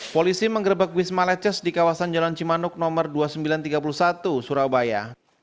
polisi menggerebek wisma leces di kawasan jalan cimanuk nomor dua ribu sembilan ratus tiga puluh satu surabaya